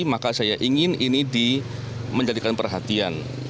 maka saya ingin ini menjadikan perhatian